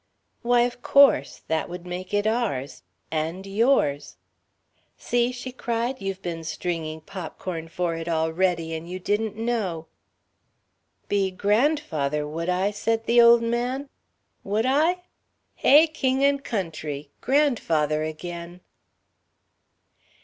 "Why, of course. That would make it ours and yours. See," she cried, "you've been stringing popcorn for it already, and you didn't know!" "Be grandfather, would I?" said the old man. "Would I? Hey, king and country! Grandfather again."